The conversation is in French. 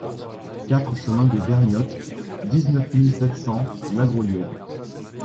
quatre chemin des Vergnottes, dix-neuf mille sept cents Lagraulière